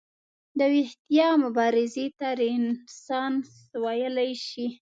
د ویښتیا مبارزې ته رنسانس ویلی شي.